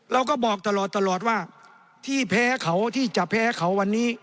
เราก็บอกตลอดว่าที่แพ้เขาที่จะแพ้เขาวันนี้